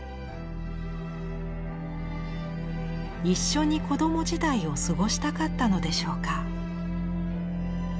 一緒に子ども時代を過ごしたかったのでしょうか。